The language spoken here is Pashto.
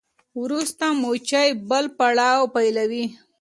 وروسته مچۍ بل پړاو پیلوي.